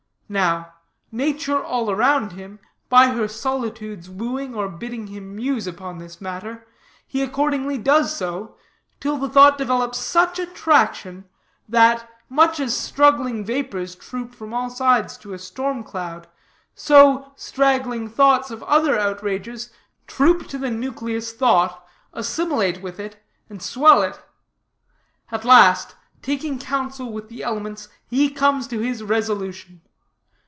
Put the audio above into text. Now, nature all around him by her solitudes wooing or bidding him muse upon this matter, he accordingly does so, till the thought develops such attraction, that much as straggling vapors troop from all sides to a storm cloud, so straggling thoughts of other outrages troop to the nucleus thought, assimilate with it, and swell it. At last, taking counsel with the elements, he comes to his resolution.